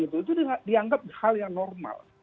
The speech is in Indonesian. itu dianggap hal yang normal